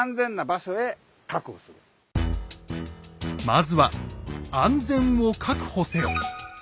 まずは「安全を確保せよ！」。